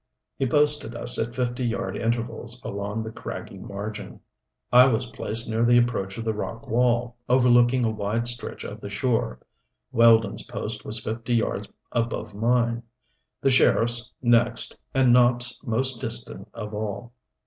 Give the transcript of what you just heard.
He posted us at fifty yard intervals along the craggy margin. I was placed near the approach of the rock wall, overlooking a wide stretch of the shore, Weldon's post was fifty yards above mine, the sheriff's next, and Nopp's most distant of all.